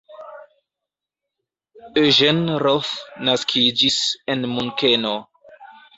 Eugen Roth naskiĝis en Munkeno.